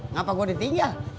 ngapa gua ditinggal